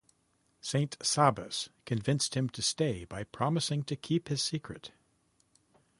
Saint Sabas convinced him to stay by promising to keep his secret.